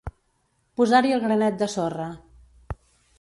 Posar-hi el granet de sorra.